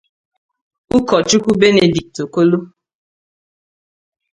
Ụkọchukwu Benedict Okolo